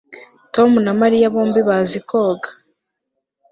Tom na Mariya bombi bazi koga